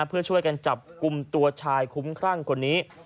เพื่อช่วยกันจับกลุ่มตัวชายคุ้มครั่งคนนี้